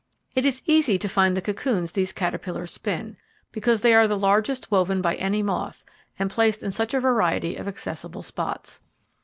It is easy to find the cocoons these caterpillars spin, because they are the largest woven by any moth, and placed in such a variety of accessible spots.